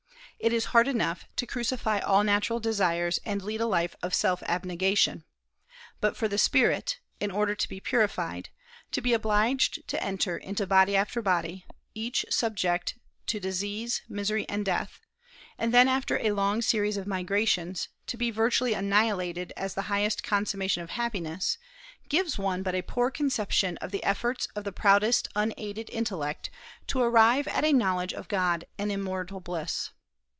It is hard enough to crucify all natural desires and lead a life of self abnegation; but for the spirit, in order to be purified, to be obliged to enter into body after body, each subject to disease, misery, and death, and then after a long series of migrations to be virtually annihilated as the highest consummation of happiness, gives one but a poor conception of the efforts of the proudest unaided intellect to arrive at a knowledge of God and immortal bliss.